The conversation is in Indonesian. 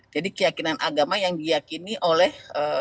jadi keyakinan agama yang diyakini oleh